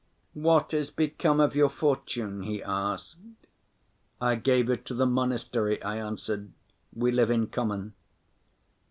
"What has became of your fortune?" he asked. "I gave it to the monastery," I answered; "we live in common."